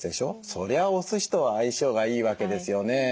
そりゃおすしとは相性がいいわけですよね。